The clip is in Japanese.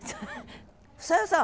房代さん。